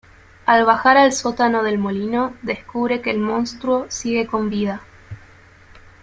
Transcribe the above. Al bajar al sótano del molino, descubre que el monstruo sigue con vida.